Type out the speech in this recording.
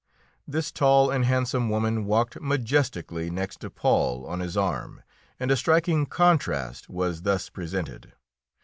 This tall and handsome woman walked majestically next to Paul, on his arm, and a striking contrast was thus presented.